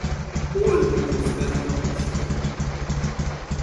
Olmützben raboskodott.